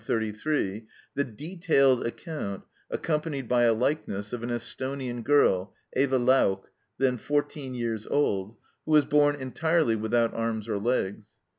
133—the detailed account, accompanied by a likeness, of an Esthonian girl, Eva Lauk, then fourteen years old, who was born entirely without arms or legs.